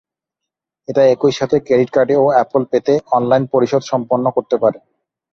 এটা একইসাথে ক্রেডিট কার্ডে ও অ্যাপল পেতে অনলাইন পরিশোধ সম্পন্ন করতে পারে।